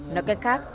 nói cách khác